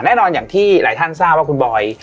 อย่างที่หลายท่านทราบว่าคุณบอย